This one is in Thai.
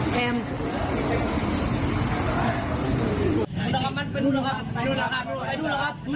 พื้นมันยิงผมมันยิงไปโดยไง